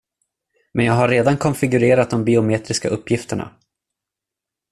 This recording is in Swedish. Men jag har redan konfigurerat de biometriska uppgifterna.